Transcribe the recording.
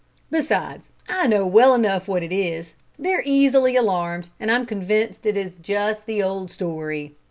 Besides, I know well enough what it is. They're easily alarmed, and I'm convinced it is just the old story.